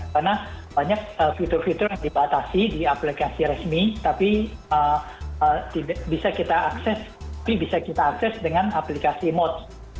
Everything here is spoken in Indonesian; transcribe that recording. karena banyak fitur fitur yang dibatasi di aplikasi resmi tapi bisa kita akses dengan aplikasi mods